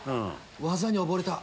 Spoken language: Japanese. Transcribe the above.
技に溺れた。